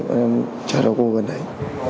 bọn em trả cho cô gần đấy